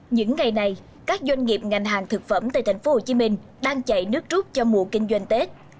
những ngày này các doanh nghiệp ngành hàng thực phẩm tại tp hcm đang chạy nước rút cho mùa kinh doanh tết